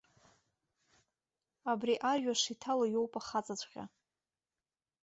Абри арҩаш иҭало иоуп ахаҵаҵәҟьа.